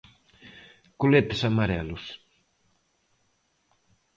Coletes amarelos.